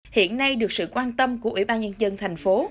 hiện nay được sự quan tâm của ủy ban nhân dân thành phố